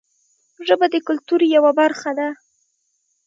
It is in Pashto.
ژبه د کلتور یوه برخه ده